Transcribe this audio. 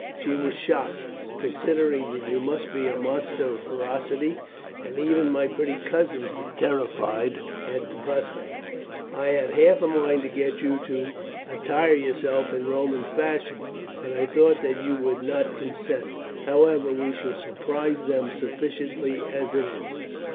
She was shocked, considering that you must be a monster of ferocity; and even my pretty cousins were terrified at the prospect. I had half a mind to get you to attire yourself in Roman fashion, but I thought that you would not consent. However, we shall surprise them sufficiently as it is."